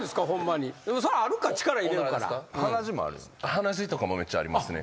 鼻血とかもめっちゃありますね。